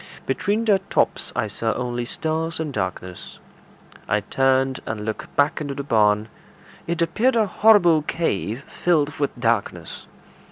Between their tops I saw only stars and darkness. I turned and looked back into the barn. It appeared a horrible cave filled with darkness.